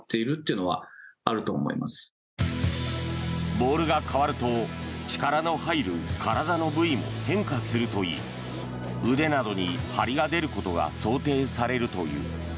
ボールが変わると、力の入る体の部位も変化するといい腕などに張りが出ることが想定されるという。